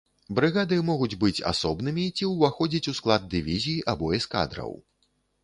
Брыгады могуць быць асобнымі ці ўваходзіць у склад дывізій або эскадраў.